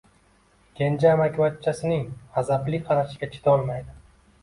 Kenja amakivachchasining g‘azabli qarashiga chidayolmadi.